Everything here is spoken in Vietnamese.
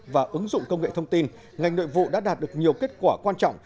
và ứng dụng công nghệ thông tin ngành nội vụ đã đạt được nhiều kết quả quan trọng